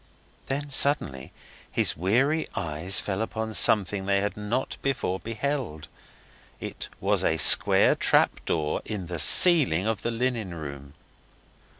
Then suddenly his weary eyes fell upon something they had not before beheld. It was a square trap door in the ceiling of the linen room.